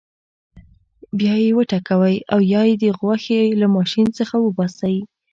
بیا یې وټکوئ او یا یې د غوښې له ماشین څخه وباسئ.